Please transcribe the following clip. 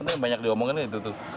ini banyak diomongin itu tuh